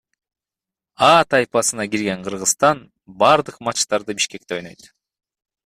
А тайпасына кирген Кыргызстан бардык матчтарды Бишкекте ойнойт.